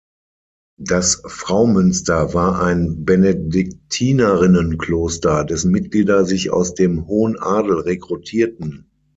Das Fraumünster war ein Benediktinerinnenkloster, dessen Mitglieder sich aus dem hohen Adel rekrutierten.